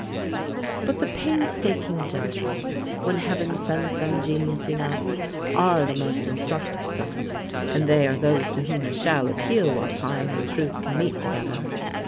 But the painstaking gentry, when heaven sends them genius enough, are the most instructive sort, and they are those to whom we shall appeal while time and truth can meet together.